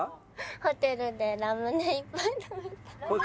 ホテルでラムネいっぱい食べて。